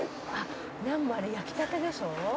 「ナンもあれ焼きたてでしょう？」